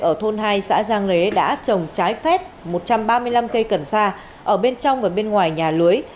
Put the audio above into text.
ở thôn hai xã giang lễ đã trồng trái phép một trăm ba mươi năm cây cần sa ở bên trong và bên ngoài nhà lưới